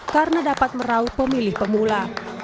karena dapat meraut pemilih pemula